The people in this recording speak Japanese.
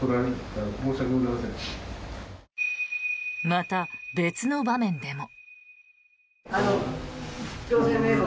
また、別の場面でも。